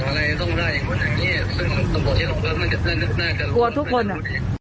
กลัวทุกคนน่ะ